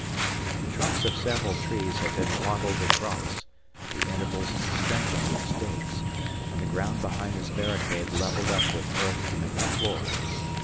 The trunks of several trees had been wattled across, the intervals strengthened with stakes, and the ground behind this barricade levelled up with earth to make the floor.